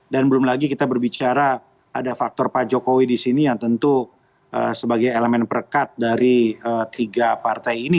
dan belum lagi kita berbicara ada faktor pajokowi di sini yang tentu sebagai elemen perekat dari tiga partai ini